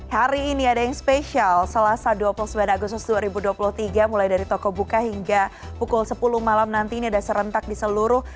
hari ini ada yang spesial selasa dua puluh sembilan agustus dua ribu dua puluh tiga mulai dari toko buka hingga pukul sepuluh malam nanti ini ada serentak di seluruh